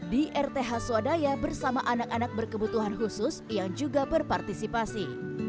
di rth swadaya bersama anak anak berkebutuhan khusus yang juga berpartisipasi